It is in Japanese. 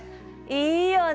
いいよね！